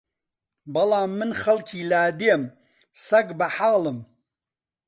بەڵام من خەڵکی لادێم سەگ بەحاڵم